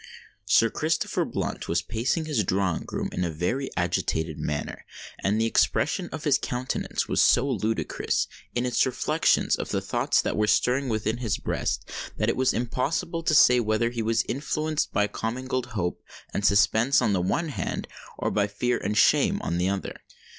Sir Christopher Blunt was pacing his drawing room in a very agitated manner; and the expression of his countenance was so ludicrous, in its reflection of the thoughts that were stirring within his breast, that it was impossible to say whether he was influenced by commingled hope and suspense on the one hand, or by fear and shame on the other.